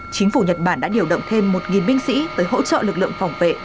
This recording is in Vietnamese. chính phủ nhật bản đã điều động thêm một binh sĩ tới hỗ trợ lực lượng phòng vệ